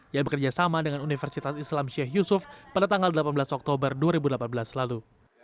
yang bekerja sama dengan universitas islam syekh yusuf pada tanggal delapan belas oktober dua ribu delapan belas lalu